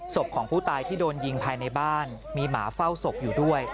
ของผู้ตายที่โดนยิงภายในบ้านมีหมาเฝ้าศพอยู่ด้วย